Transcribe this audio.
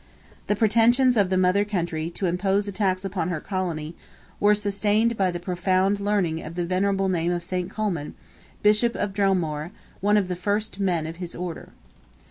The pretensions of the mother country to impose a tax upon her Colony, were sustained by the profound learning and venerable name of St. Colman, Bishop of Dromore, one of the first men of his Order.